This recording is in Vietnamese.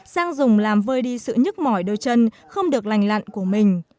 sang dùng làm vơi đi sự nhức mỏi đôi chân không được lành lặn của mình